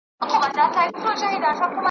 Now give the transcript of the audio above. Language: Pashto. ¬ دلته بې په بډه کړم، کلي کي به ئې گډه کړم.